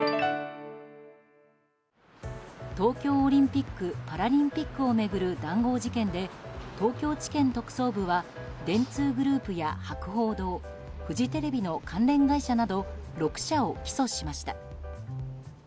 東京オリンピック・パラリンピックを巡る談合事件で東京地検特捜部は電通グループや博報堂フジテレビの関連会社など６社を起訴しました。